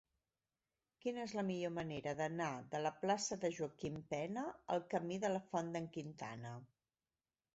Quina és la millor manera d'anar de la plaça de Joaquim Pena al camí de la Font d'en Quintana?